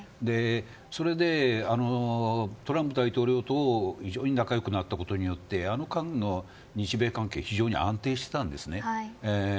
それで、トランプ大統領と非常に仲良くなったことによってあの間の日米関係は非常に安定していたんです。